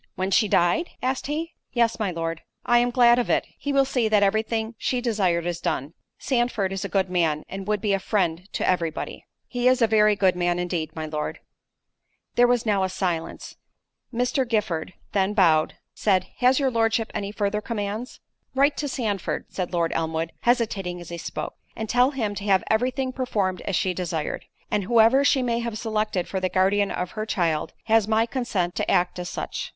"When she died?" asked he. "Yes, my Lord." "I am glad of it—he will see that every thing she desired is done—Sandford is a good man, and would be a friend to every body." "He is a very good man indeed, my Lord." There was now a silence.——Mr. Giffard then bowing, said, "Has your Lordship any further commands?" "Write to Sandford," said Lord Elmwood, hesitating as he spoke, "and tell him to have every thing performed as she desired. And whoever she may have selected for the guardian of her child, has my consent to act as such.